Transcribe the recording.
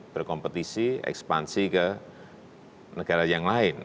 berkompetisi ekspansi ke negara yang lain